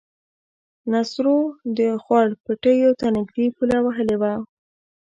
نصرو د خوړ پټيو ته نږدې پوله وهلې وه.